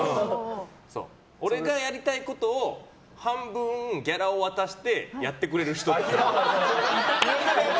俺がやりたいことを半分、ギャラを渡してやってくれる人っていう。